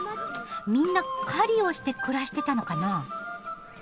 みんな狩りをして暮らしてたのかな？